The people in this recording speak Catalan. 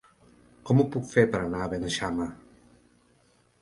Com ho puc fer per anar a Beneixama?